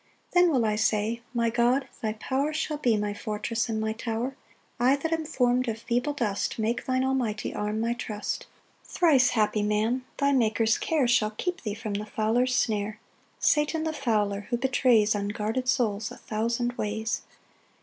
2 Then will I say, "My God, thy power "Shall be my fortress and my tower; "I that am form'd of feeble dust "Make thine almighty arm my trust." 3 Thrice happy man! thy Maker's care Shall keep thee from the fowler's snare, Satan, the fowler, who betrays Unguarded souls a thousand ways.